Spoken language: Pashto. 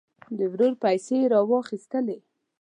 د ورور پیسې یې واخیستلې.